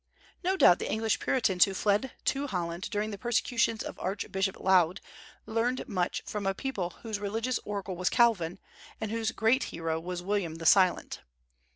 No doubt the English Puritans who fled to Holland during the persecutions of Archbishop Laud learned much from a people whose religious oracle was Calvin, and whose great hero was William the Silent.